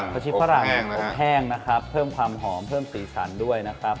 ชิปฝรั่งอบแห้งนะครับเพิ่มความหอมเพิ่มสีสันด้วยนะครับ